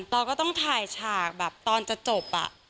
เราก็ต้องถ่ายฉากแบบตอนจะจบ